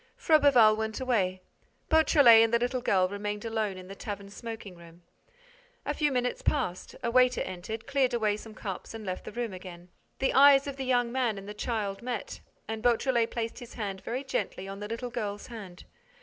Froberval went away. Beautrelet and the little girl remained alone in the tavern smoking room. A few minutes passed, a waiter entered, cleared away some cups and left the room again. The eyes of the young man and the child met; and Beautrelet placed his hand very gently on the little girl's hand.